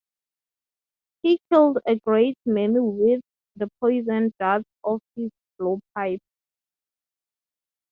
He killed a great many with the poisoned darts of his blowpipe.